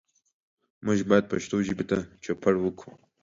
موږ باید پښتو ژبې ته چوپړ وکړو.